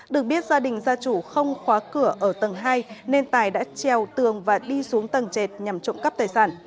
được biết gia đình gia chủ không khóa cửa ở tầng hai nên tài đã treo tường và đi xuống tầng chệt nhằm trộm cắp tài sản